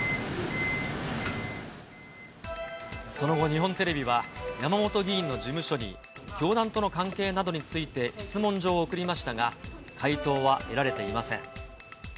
その後、日本テレビは、山本議員の事務所に教団との関係などについて質問状を送りましたが、回答は得られていません。